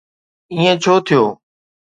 ائين ڇو ٿيو؟